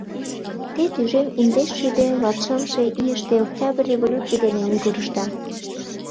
— Те тӱжем индешшӱдӧ латшымше ийыште Октябрь революций дене мӱгырышда.